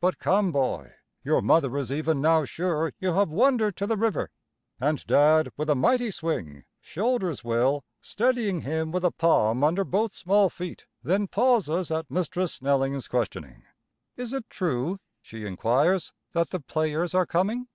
But come, boy; your mother is even now sure you have wandered to the river." And Dad, with a mighty swing, shoulders Will, steadying him with a palm under both small feet; then pauses at Mistress Snelling's questioning. "Is it true," she inquires, "that the players are coming?"